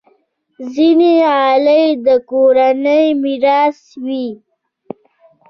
ځینې غالۍ د کورنۍ میراث وي.